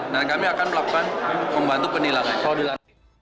kami akan melakukan membantu penilangan